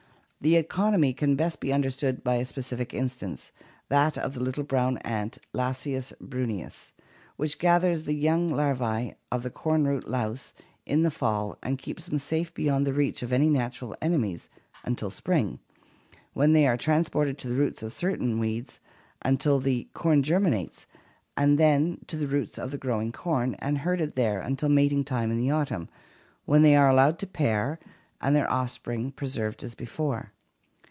The economy can best be understood by a specific instance, that of the little brown ant, Lasius brunneus, which gathers the young larvae of the corn root louse in the fall and keeps them safe beyond the reach of any natural enemies until spring, when they are transported to the roots of certain weeds until the ANIMAL ASSOCIATIONS. COMMUNA^ISM 259 coin germinates, and then to the roots of the growing corn and herded there until mating time in the autumn, when they are allowed to pair and their offspring preserved as before.